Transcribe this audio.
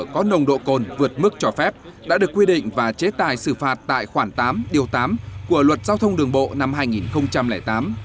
có nồng độ cồn vượt mức cho phép đã được quy định và chế tài xử phạt tại khoản tám điều tám của luật giao thông đường bộ năm hai nghìn tám